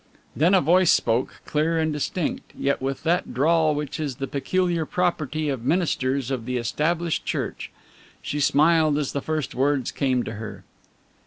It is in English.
Then a voice spoke, clear and distinct, yet with that drawl which is the peculiar property of ministers of the Established Church. She smiled as the first words came to her.